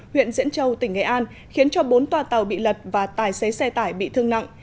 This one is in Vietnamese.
huyện diễn châu tỉnh nghệ an khiến cho bốn tòa tàu bị lật và tài xế xe tải bị thương nặng